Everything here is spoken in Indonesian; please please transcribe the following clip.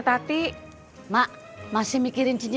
tati aku mau ke rumah